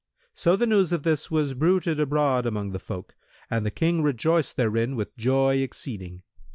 So the news of this was bruited abroad among the folk and the King rejoiced therein with joy exceeding.